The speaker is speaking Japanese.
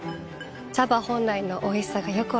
茶葉本来のおいしさがよく分かります。